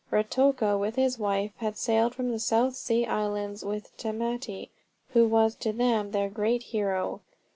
Ruatoka, with his wife, had sailed from the South Sea Islands with Tamate, who was to them their great hero.